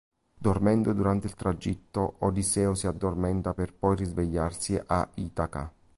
Dormendo durante il tragitto, Odisseo si addormenta per poi risvegliarsi a Itaca.